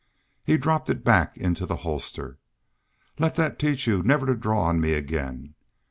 He dropped it back into the holster. "Let that teach you never to draw on me again."